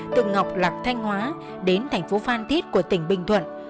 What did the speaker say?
từ ngọc lạc thanh hóa đến thành phố phan thiết của tỉnh bình thuận